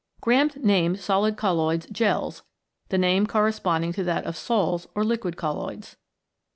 Graham named solid colloids Gels, the name corresponding to that of Sols or liquid colloids.